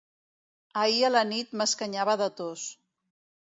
Ahir a la nit m'escanyava de tos.